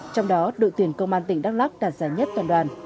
trong đó đội tuyển công an tỉnh đắk lắc đạt giải nhất toàn đoàn